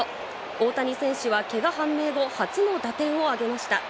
大谷選手はけが判明後、初の打点を挙げました。